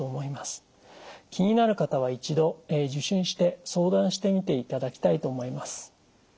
気になる方は一度受診して相談してみていただきたいと思います。